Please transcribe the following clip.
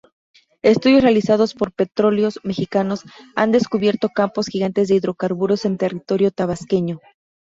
Estudios realizados por Petróleos Mexicanos, han descubierto campos gigantes de hidrocarburos en territorio tabasqueño.